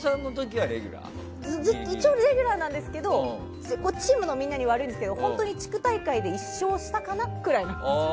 一応レギュラーなんですけどチームのみんなに悪いんですけど地区大会で１勝したかなぐらいなんです。